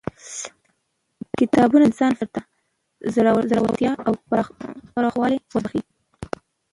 کتابونه د انسان فکر ته ژورتیا او پراخوالی وربخښي